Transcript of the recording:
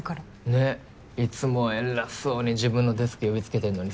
ねぇいつもは偉そうに自分のデスク呼びつけてんのにさ。